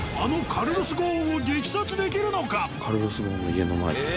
カルロス・ゴーンの家の前です。